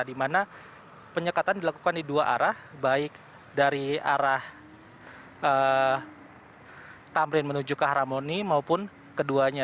di mana penyekatan dilakukan di dua arah baik dari arah tamrin menuju ke haramoni maupun keduanya